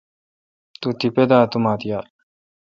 تو تیپہ دا اومات یالہ۔